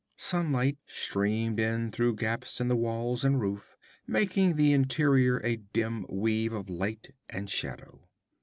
Sunlight streamed in through gaps in the walls and roof, making the interior a dim weave of light and shadow.